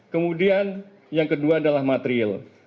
kemudian yang kedua adalah material